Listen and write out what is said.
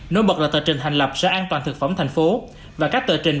nội bật là tờ trình hành lập sở an toàn thực phẩm tp hcm và các tờ trình